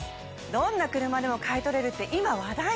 どんな車でも買い取れるって今話題の！